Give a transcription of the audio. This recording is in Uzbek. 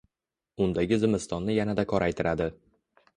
Undagi zimistonni yanada qoraytirardi.